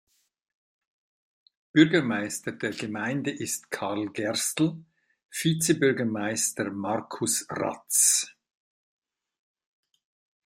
Bürgermeister der Gemeinde ist Karl Gerstl, Vizebürgermeister Markus Ratz.